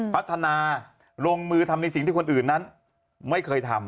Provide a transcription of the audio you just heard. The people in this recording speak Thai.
พัฒนาลงมือทำในสิ่งที่คนอื่นนั้นไม่เคยทำ